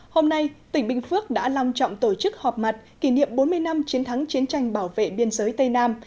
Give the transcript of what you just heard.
hôm nay tỉnh bình phước đã long trọng tổ chức họp mặt kỷ niệm bốn mươi năm chiến thắng chiến tranh bảo vệ biên giới tây nam